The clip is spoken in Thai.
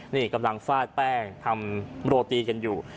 นี่กำลังฟาดแป้งทำโรตีกันอยู่